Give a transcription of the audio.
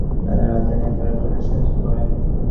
পরে বন্ধ ফটকের সামনে একটি ব্যানার হাতে নিয়ে তাঁরা ফটোসেশন করেন।